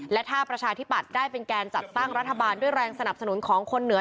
และถ้าประชาธิปัตย์ได้เป็นแกนจัดตั้งรัฐบาลด้วยแรงสนับสนุนของคนเหนือ